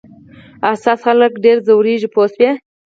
حساس خلک ډېر ځورېږي پوه شوې!.